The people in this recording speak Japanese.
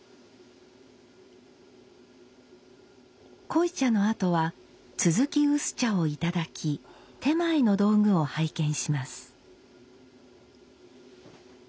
濃茶のあとは続き薄茶をいただき点前の道具を拝見します。